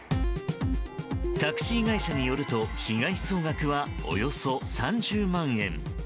タクシー会社によると被害総額はおよそ３０万円。